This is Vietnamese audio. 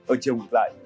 ở chiều hôm lại